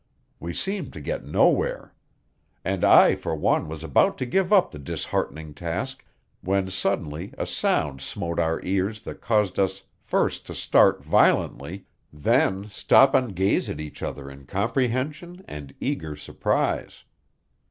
We seemed to get nowhere; and I for one was about to give up the disheartening task when suddenly a sound smote our ears that caused us first to start violently, then stop and gaze at each other in comprehension and eager surprise.